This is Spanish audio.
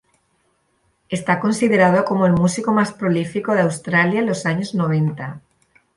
Está considerado como el músico más prolífico de Australia en los años noventa.